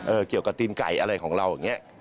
เกี่ยวกับตีนไก่อะไรของเราอย่างนี้